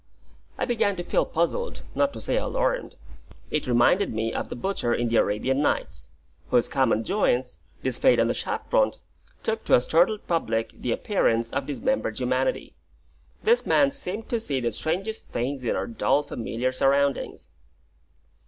I began to feel puzzled, not to say alarmed. It reminded me of the butcher in the Arabian Nights, whose common joints, displayed on the shop front, took to a startled public the appearance of dismembered humanity. This man seemed to see the strangest things in our dull, familiar surroundings.